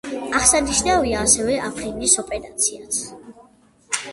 აღსანიშნავია ასევე აფრინის ოპერაციაც.